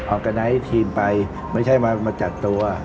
อร์กาไนท์ทีมไปไม่ใช่มาจัดตัว